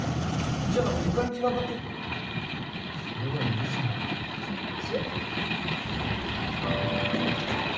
じゃああの床に散らばってそれは許せないなそっち？